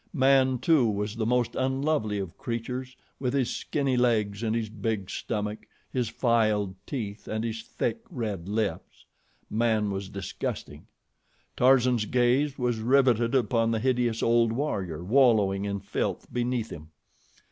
Man, too, was the most unlovely of creatures with his skinny legs and his big stomach, his filed teeth, and his thick, red lips. Man was disgusting. Tarzan's gaze was riveted upon the hideous old warrior wallowing in filth beneath him.